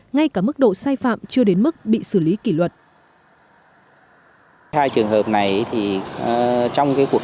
ngay cả mức độ sai phạm chưa đến mức bị xử lý kỷ luật